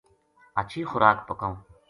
ہچھی خوراک پکاؤں